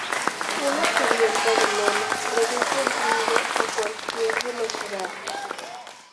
Una cubierta de lona reduce el ruido a cualquier velocidad.